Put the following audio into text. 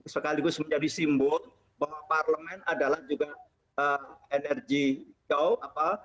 sekaligus menjadi simbol bahwa parlemen adalah juga energi kau apa